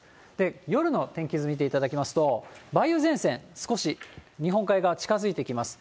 夜の天気図見ていただきますと、梅雨前線、少し日本海側近づいてきます。